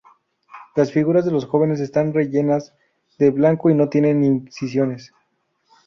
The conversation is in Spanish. Las figuras de los jóvenes están rellenas de blanco y no tienen incisiones.